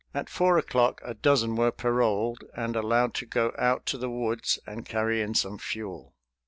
At four o'clock a dozen were paroled and allowed to go out to the woods and carry in some fuel.